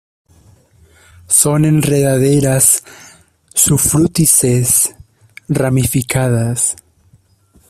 Son enredaderas sufrútices, ramificadas.